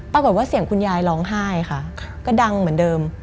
ปรากฏว่าเสียงคุณยายร้องไห้ค่ะก็ดังเหมือนเดิม